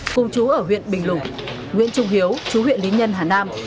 cùng chú ở huyện bình lục nguyễn trung hiếu chú huyện lý nhân hà nam